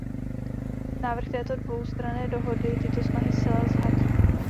Návrh této dvoustranné dohody tyto snahy zcela zhatí.